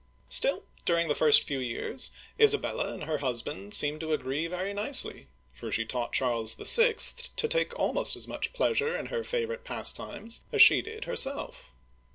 Still, during the first few years, Isa bella and her hus band seemed to agree very nicely, for she taught Charles VI. to take almost as much pleasure in her fa vorite pastimes as she did herself.